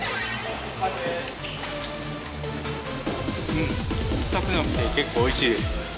うん臭くなくて結構おいしいです。